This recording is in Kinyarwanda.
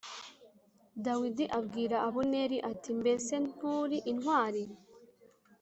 Dawidi abwira Abuneri ati “Mbese nturi intwari?